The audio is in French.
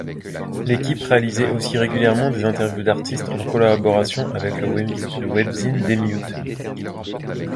L'équipe réalisait aussi régulièrement des interviews d'artistes en collaboration avec le webzine dMute.